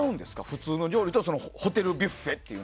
普通の料理とホテルビュッフェは。